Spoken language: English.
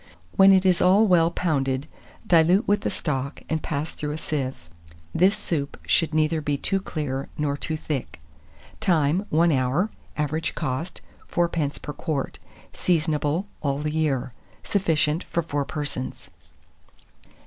When it is all well pounded, dilute with the stock, and pass through a sieve. This soup should neither be too clear nor too thick. Time. 1 hour. Average cost, 4d. per quart. Seasonable all the year. Sufficient for 4 persons.